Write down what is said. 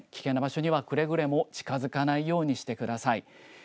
危険な場所にはくれぐれも近づかないようにしてください。